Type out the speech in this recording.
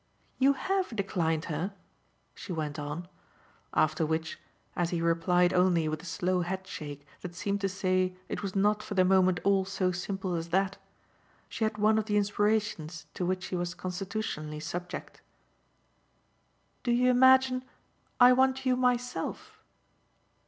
You HAVE declined her?" she went on. After which, as he replied only with a slow head shake that seemed to say it was not for the moment all so simple as that, she had one of the inspirations to which she was constitutionally subject. "Do you imagine I want you myself?"